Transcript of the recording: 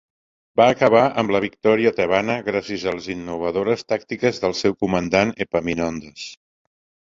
Va acabar amb la victòria tebana gràcies a les innovadores tàctiques del seu comandant, Epaminondes.